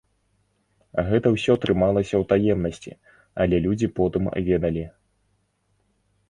Гэта ўсё трымалася ў таемнасці, але людзі потым ведалі.